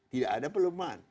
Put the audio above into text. tidak ada pelemahan